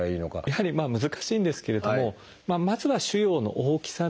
やはり難しいんですけれどもまずは腫瘍の大きさですね。